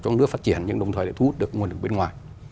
trong nước phát triển nhưng đồng thời lại thút được nguồn lực bên ngoài